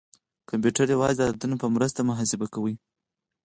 کمپیوټر یوازې د عددونو په مرسته محاسبه کوي.